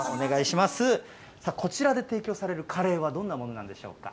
こちらで提供されるカレーはどんなものなんでしょうか。